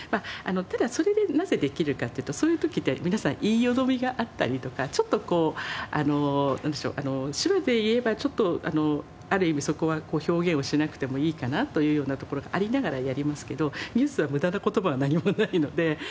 ただそれでなぜできるかというとそういう時って皆さん言いよどみがあったりとかちょっとこうなんでしょう手話でいえばある意味そこは表現をしなくてもいいかなというようなところがありながらやりますけどニュースは無駄な言葉は何もないので。